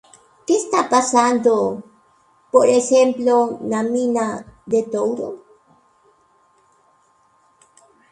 ¿Que está pasando, por exemplo, na mina de Touro?